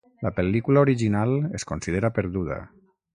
La pel·lícula original es considera perduda.